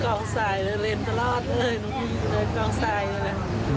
กองสายเลยเล่นตลอดเลยน้องพี่ก็เล่นกองสายเลย